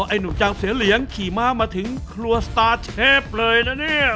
ไอ้หนุ่มจังเสียเหลียงขี่ม้ามาถึงครัวสตาร์เชฟเลยนะเนี่ย